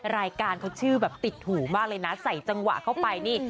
รายการเขาชื่อแบบติดหูมากเลยนะใส่จังหวะเข้าไปนี่